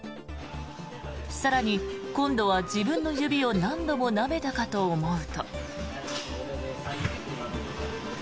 更に、今度は自分の指を何度もなめたかと思うと。